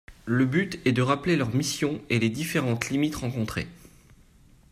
Le but est de rappeler leurs missions et les différentes limites rencontrées.